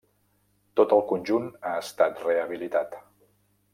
Tot el conjunt ha estat rehabilitat.